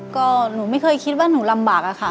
ก็หนูไม่เคยคิดว่าหนูลำบากอะค่ะ